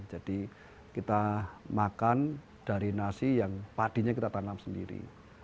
jadi kita makan dari nasi yang padinya kita tanam sendiri